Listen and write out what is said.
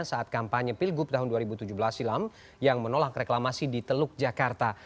saat kampanye pilgub tahun dua ribu tujuh belas silam yang menolak reklamasi di teluk jakarta